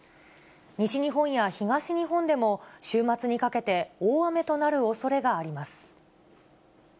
西日本や東日本でも、週末にかけて大雨となるおそれがあります。